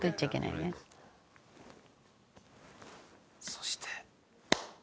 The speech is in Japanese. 「そして」